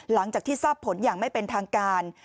หลังจากที่ทราบผลอย่างไม่เป็นทางการ